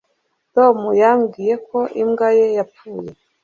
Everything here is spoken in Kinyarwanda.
tom yambwiye ko imbwa ye yapfuye